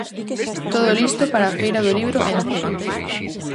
Todo listo para a feira do libro en Cee.